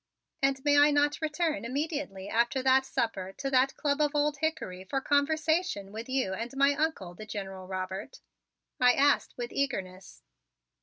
"And may I not return immediately after that supper to that Club of Old Hickory for conversation with you and my Uncle, the General Robert?" I asked with eagerness.